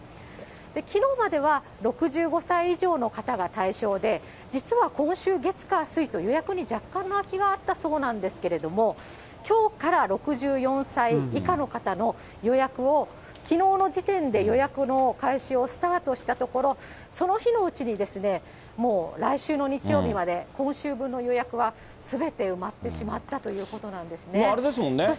きのうまでは、６５歳以上の方が対象で、実は今週月、火、水と予約に若干の空きがあったそうなんですけれども、きょうから６４歳以下の方の予約を、きのうの時点で予約の開始をスタートしたところ、その日のうちに、もう来週の日曜日まで、今週分の予約はすべて埋まってしまったということなんですね。